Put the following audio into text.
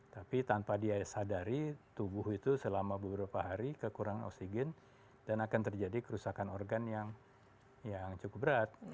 tapi tanpa dia sadari tubuh itu selama beberapa hari kekurangan oksigen dan akan terjadi kerusakan organ yang cukup berat